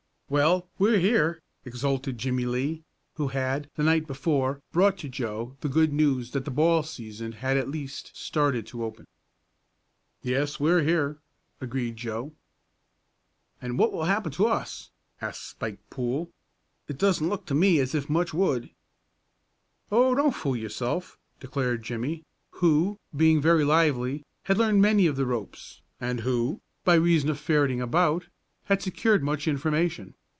"Well, we're here!" exulted Jimmie Lee, who had, the night before, brought to Joe the good news that the ball season had at least started to open. "Yes, we're here," agreed Joe. "And what will happen to us?" asked Spike Poole. "It doesn't look to me as if much would." "Oh, don't fool yourself," declared Jimmie, who, being very lively, had learned many of the ropes, and who, by reason of ferreting about, had secured much information.